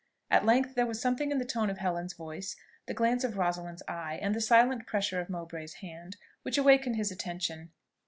At length there was something in the tone of Helen's voice, the glance of Rosalind's eye, and the silent pressure of Mowbray's hand, which awakened his attention.